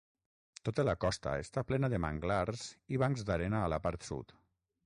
Tota la costa està plena de manglars i bancs d'arena a la part sud.